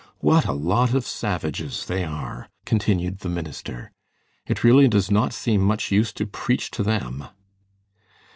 What a lot of savages they are!" continued the minister. "It really does not seem much use to preach to them."